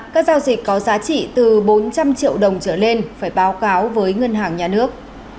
các giao dịch có giá trị từ bốn trăm linh triệu đồng trở lên phải báo cáo với ngân hàng nhà nước